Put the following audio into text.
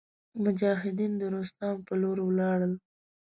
مجاهدین د روستام په لور ولاړل.